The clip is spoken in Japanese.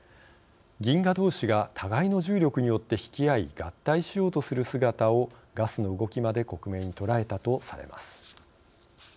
銀河どうしが互いの重力によって引き合い合体しようとする姿をガスの動きまで克明に捉えたとされます。